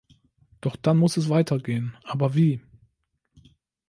Doch dann muss es weitergehen, aber wie?